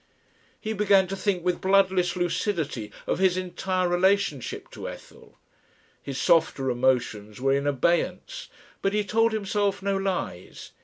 He began to think with bloodless lucidity of his entire relationship to Ethel. His softer emotions were in abeyance, but he told himself no lies.